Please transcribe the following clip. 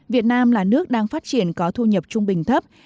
việt nam là nước đang phát triển có thu nhập trung bình thấp